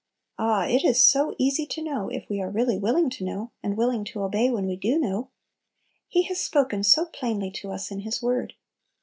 Ah, it is so easy to know if we are really willing to know, and willing to obey when we do know! He has spoken so plainly to us in His word!